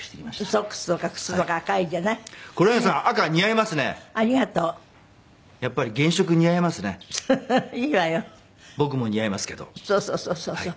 そうそうそうそうそう。